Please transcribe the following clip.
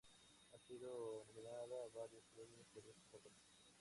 Ha sido nominada a varios premios por este papel.